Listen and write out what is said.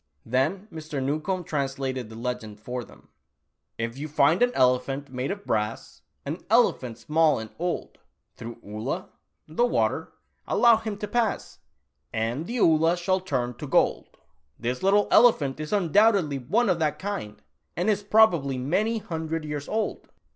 Then Mr. Newcombe translated the legend for them :" If you find an elephant, made of brass, An elephant small and old — Through 'Oolah '— the water — allow him to pass And the Oolah shall turn io eold ! Tula Oolah. 55 "This little elephant is undoubtedly one of that kind, and is probably many hundred years old."